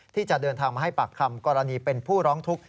ที่จะเดินทางมาให้ปากคำกรณีเป็นผู้ร้องทุกข์